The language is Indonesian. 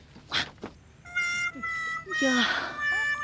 iya aku juga